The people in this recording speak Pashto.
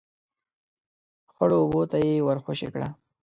، خړو اوبو ته يې ور خوشی کړه.